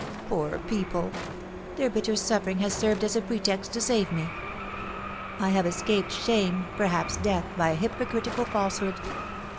Poor people! their bitter suffering has served as a pretext to save me. I have escaped shame, perhaps death, by a hypocritical falsehood.